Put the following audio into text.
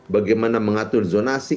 bagaimana mengatur zonasi